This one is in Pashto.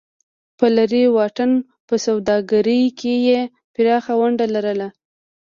په لرې واټن په سوداګرۍ کې یې پراخه ونډه لرله.